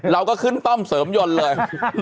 เราก็ขึ้นป้อมเสริมยนต์เลย